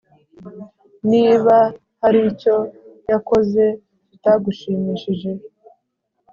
niba hari icyo yakoze kitagushimishije,